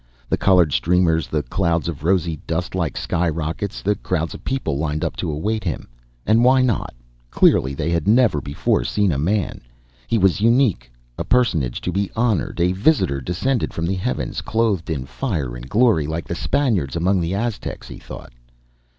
The colored streamers, the clouds of rosy dust like sky rockets, the crowds of people lined up to await him. And why not? Clearly, they had never before seen a man. He was unique, a personage to be honored: a visitor descended from the heavens, clothed in fire and glory. Like the Spaniards among the Aztecs, he thought.